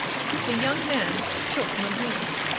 The young man took no heed.